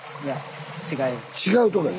違うとこや！